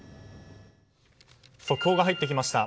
速報が入ってきました。